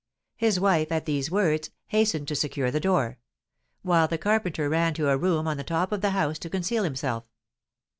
His wife, at these words, hastened to secure the door; while the carpenter ran to a room on the top of the house, to conceal himself.